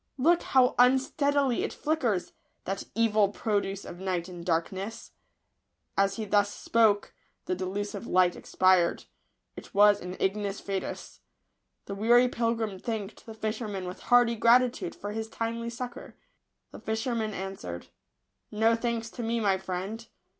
Look how unsteadily it flickers — that evil produce of night and darkness !" As he thus spoke, the delusive light expired. It was an ignis fatuus. The weary pilgrim thanked the fisherman with hearty gratitude for his timely succour. The fisherman answered, " No thanks to me, my friend.